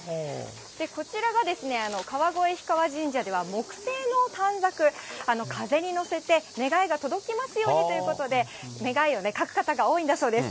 こちらが川越氷川神社では木製の短冊、風に乗せて願いが届きますようにということで、願いを書く方が多いそうです。